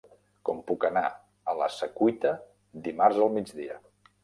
Com puc anar a la Secuita dimarts al migdia?